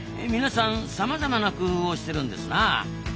皆さんさまざまな工夫をしてるんですな。